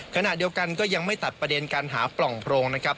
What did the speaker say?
ขณะเดียวกันก็ยังไม่ตัดประเด็นการหาปล่องโพรงนะครับ